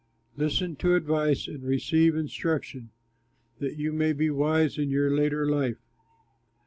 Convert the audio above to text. Listen to advice and receive instruction, That you may be wise in your later life.